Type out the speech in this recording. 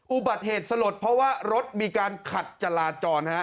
อุบัติเหตุสลดเพราะว่ารถมีการขัดจราจร